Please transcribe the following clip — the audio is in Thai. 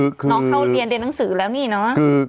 น้องเขาเรียนเรียนหนังสือแล้วนี่เนาะ